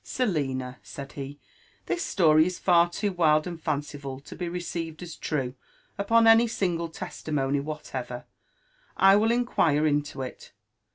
"Selina I" said he, " this slory is. (kr too wild and fanciful to be received as^ true upon any single testimony whatever. I will inquire into it.